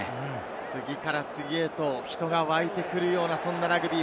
次から次へと人が湧いてくるようなラグビー。